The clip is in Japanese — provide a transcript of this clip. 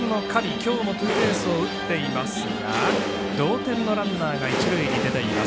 きょうもツーベースを打っていますが同点のランナーが一塁に出ています。